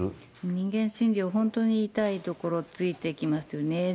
人間心理を本当に痛いところ突いてきますよね。